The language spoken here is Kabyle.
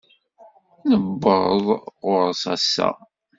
Newweḍ ɣur-s ass-a.